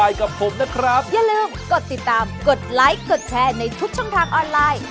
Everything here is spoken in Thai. กับผมนะครับอย่าลืมกดติดตามกดไลค์กดแชร์ในทุกช่องทางออนไลน์